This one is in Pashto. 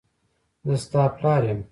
زه ستا پلار یم.